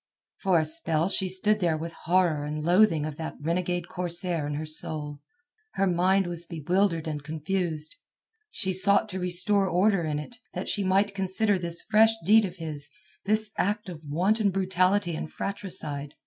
For a spell she stood there with horror and loathing of that renegade corsair in her soul. Her mind was bewildered and confused. She sought to restore order in it, that she might consider this fresh deed of his, this act of wanton brutality and fratricide.